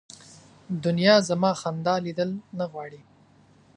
دنیا زما خندا لیدل نه غواړي